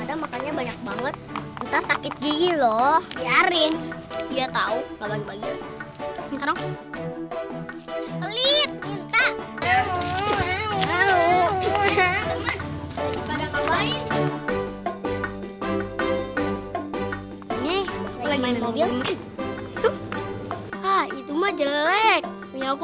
ada makanya banyak banget ntar sakit gigi loh biarin dia tahu